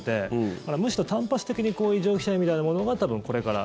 だから、むしろ単発的に異常気象みたいなものが多分、これから。